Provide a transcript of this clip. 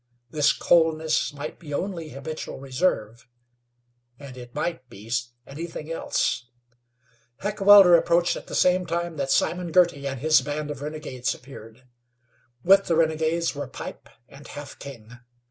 This coldness might be only habitual reserve, and it might be anything else. Heckewelder approached at the same time that Simon Girty and his band of renegades appeared. With the renegades were Pipe and Half King.